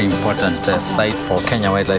của những người